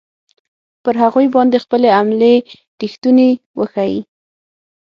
پر هغوی باندې خپلې حملې ریښتوني وښیي.